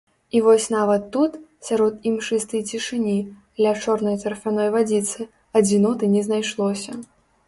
І вось нават тут, сярод імшыстай цішыні, ля чорнай тарфяной вадзіцы, адзіноты не знайшлося.